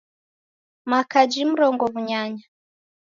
Makaji mrongo w'unyanya